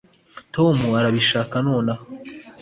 tom arabishaka nonaha